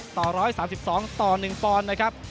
ต่อ๑๓๒ต่อ๑ปอนด์นะครับ